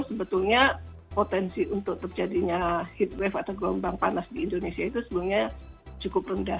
sebetulnya potensi untuk terjadinya heat wave atau gelombang panas di indonesia itu sebenarnya cukup rendah